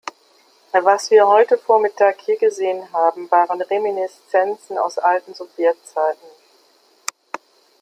Was wir heute Vormittag hier gesehen haben, waren Reminiszenzen aus alten Sowjetzeiten.